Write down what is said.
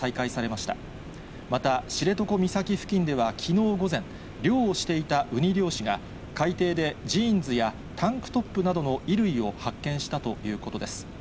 また、知床岬付近ではきのう午前、漁をしていたウニ漁師が、海底でジーンズやタンクトップなどの衣類を発見したということです。